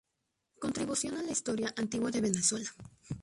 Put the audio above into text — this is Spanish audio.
Contribución a la historia antigua de Venezuela".